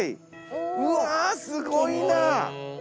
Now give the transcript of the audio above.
うわすごいな！